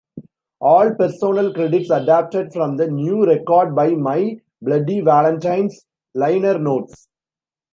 All personnel credits adapted from "The New Record by My Bloody Valentine"s liner notes.